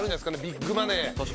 ビッグマネー。